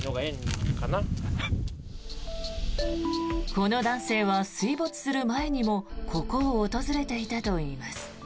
この男性は、水没する前にもここを訪れていたといいます。